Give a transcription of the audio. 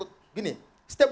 kita harus membatasi karena apa